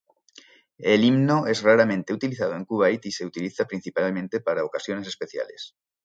El himno es raramente utilizado en Kuwait y se utiliza principalmente para ocasiones especiales.